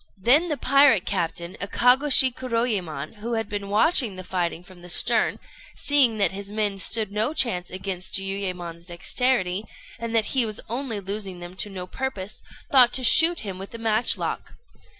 Then the pirate captain, Akagôshi Kuroyémon, who had been watching the fighting from the stern, seeing that his men stood no chance against Jiuyémon's dexterity, and that he was only losing them to no purpose, thought to shoot him with a matchlock.